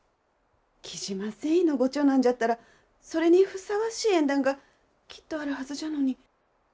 雉真繊維のご長男じゃったらそれにふさわしい縁談がきっとあるはずじゃのに。